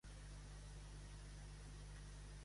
Quina aparença feia ella?